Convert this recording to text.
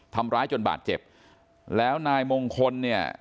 ทำร้ายจนบาดเจ็บแล้วนายมงคลเนี่ย